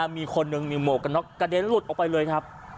มีคนหนึ่งมีหมวกกันน็อกกระเด็นหลุดออกไปเลยครับ